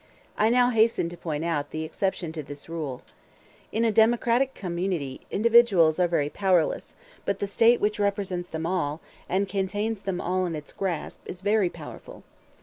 I now hasten to point out the exception to this rule. In a democratic community individuals are very powerless; but the State which represents them all, and contains them all in its grasp, is very powerful.